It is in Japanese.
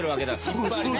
やっぱりね！